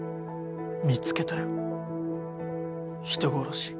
見つけたよ人殺し。